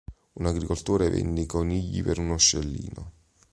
Un agricoltore vende i conigli per uno scellino.